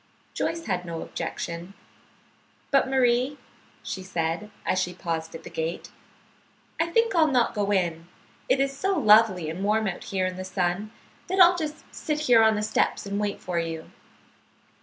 Joyce had no objection. "But, Marie," she said, as she paused at the gate, "I think I'll not go in. It is so lovely and warm out here in the sun that I'll just sit here on the steps and wait for you."